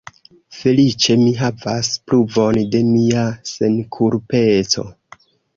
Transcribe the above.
Feliĉe mi havas pruvon de mia senkulpeco.